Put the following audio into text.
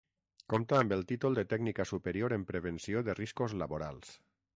Compta amb el títol de Tècnica Superior en Prevenció de Riscos Laborals.